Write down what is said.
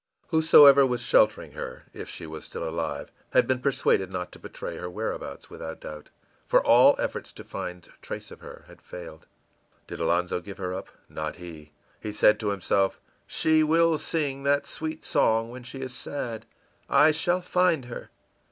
Whosoever was sheltering her if she was still alive had been persuaded not to betray her whereabouts, without doubt; for all efforts to find trace of her had failed. Did Alonzo give her up? Not he. He said to himself, ìShe will sing that sweet song when she is sad; I shall find her.